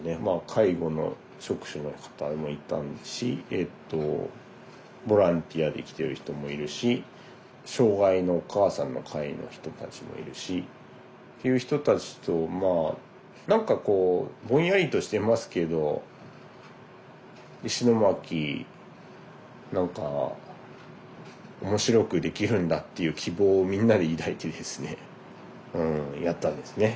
介護の職種の方もいたしボランティアで来てる人もいるし障害のお母さんの会の人たちもいるし。という人たちと何かこうぼんやりとしてますけど石巻何か面白くできるんだっていう希望をみんなで抱いてですねやったんですね。